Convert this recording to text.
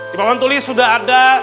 di pahlawan tulis sudah ada